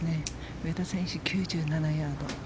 上田選手、９７ヤード。